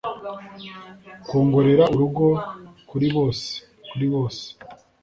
kwongorera “urugo” kuri bose, kuri bose.